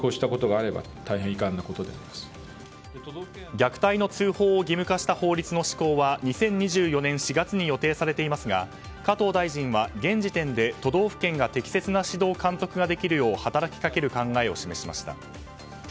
虐待の通報を義務化した法律の施行は２０２４年４月に予定されていますが加藤大臣は、現時点で都道府県が適切な指導監督ができるよう働きかける考えを示しました。